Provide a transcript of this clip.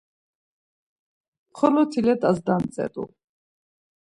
Xoloti let̆as dantzet̆u.